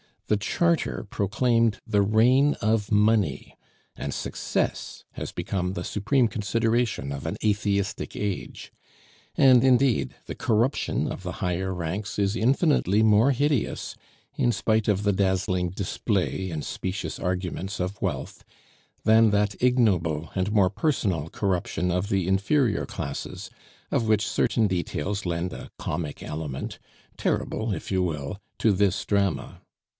The Charter proclaimed the reign of Money, and success has become the supreme consideration of an atheistic age. And, indeed, the corruption of the higher ranks is infinitely more hideous, in spite of the dazzling display and specious arguments of wealth, than that ignoble and more personal corruption of the inferior classes, of which certain details lend a comic element terrible, if you will to this drama.